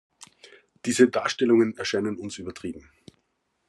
Diese Darstellungen erscheinen uns übertrieben.